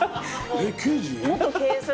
えっ刑事？